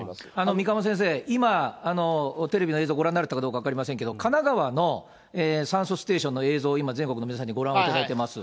三鴨先生、今、テレビの映像ご覧になれるかどうか分かりませんけど、神奈川の酸素ステーションの映像、今、全国の皆さんにご覧いただいてます。